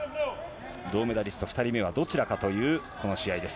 銅メダリスト、２人目はどちらかというこの試合です。